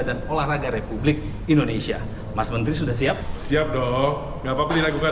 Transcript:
dan olahraga republik indonesia mas menteri sudah siap siap dong nggak apa apa dilakukan